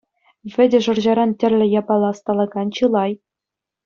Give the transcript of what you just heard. Вӗтӗ шӑрҫаран тӗрлӗ япала ӑсталакан чылай.